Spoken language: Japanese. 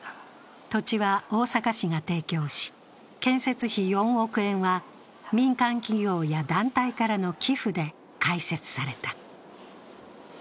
土地は大阪市が提供し、建設費４億円は民間企業や団体からの寄付で開設された。